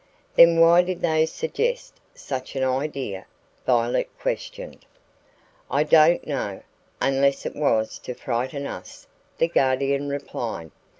"Then why did they suggest such an idea?" Violet questioned. "I don't know, unless it was to frighten us," the Guardian replied.